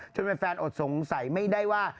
ช่วงนี้แฟนอดสงสัยไม่ได้ว่า